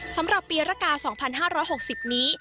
สำหรับปีรกา๒๕๖๐นี้